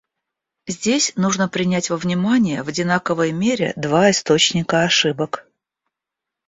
Здесь нужно принять во внимание в одинаковой мере два источника ошибок.